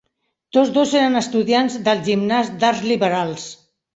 Tots dos eren estudiants del Gimnàs d'arts liberals.